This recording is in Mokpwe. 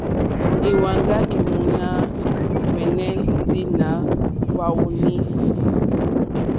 Íwàŋgá í mòná hwɛ́nɛ́ ndí nà hwàónèlì.